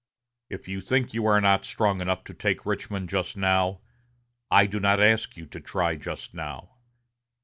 If you think you are not strong enough to take Richmond just now, I do not ask you to try just now.